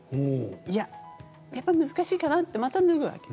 いや、やっぱり難しいかなってまた脱ぐわけ。